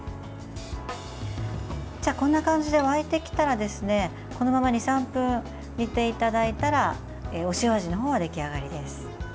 こんな感じで沸いてきたらこのまま２３分煮ていただいたらお塩味の方は出来上がりです。